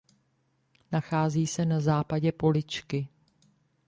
Nachází se na západě Poličky.